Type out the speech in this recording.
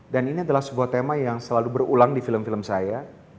dan ini adalah sebuah tema yang selalu berulang di film film saya